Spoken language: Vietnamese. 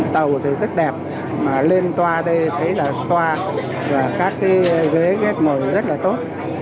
tàu thì rất đẹp mà lên toa đây thấy là toa và các cái ghế ghép mầu rất là tốt